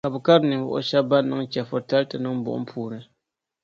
Ka bɛ kari ninvuɣu shɛba ban niŋ chεfuritali n-ti niŋ buɣum puuni.